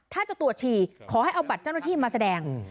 ถ้าจะตรวจฉี่ขอให้เอาบัตรเจ้าหน้าที่มาแสดง